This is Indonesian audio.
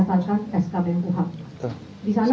di sana dapat eskapen goham di sini dapat eskapen goham